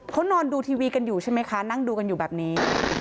เขานอนดูทีวีกันอยู่ใช่ไหมคะนั่งดูกันอยู่แบบนี้